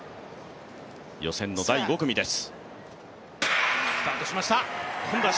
予選の第５組です。